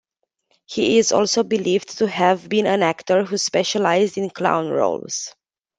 He is also believed to have been an actor who specialized in clown roles.